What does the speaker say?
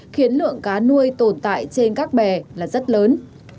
khiến lượng cá nuôi tồn tại trên các bè là rất lớn